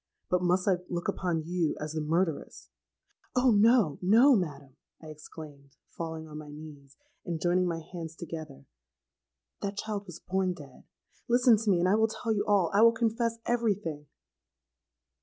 But must I look upon you as the murderess——.'—'Oh! no, no, madam,' I exclaimed, falling on my knees, and joining my hands together; 'that child was born dead. Listen to me, and I will tell you all; I will confess every thing!'